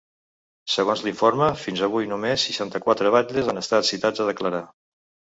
Segons l’informe, fins avui només seixanta-quatre batlles han estat citats a declarar.